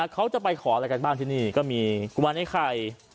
เขาจะไปขออะไรกันบ้างที่นี่ก็มีกุมารไอ้ไข่